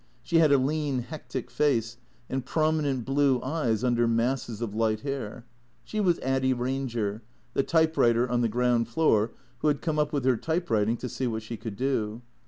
She had a lean, hectic face, and prominent blue eyes under masses of light hair. She was Addy Eanger, the type writer on the ground floor, who had come up from her typewriting to see what she could do.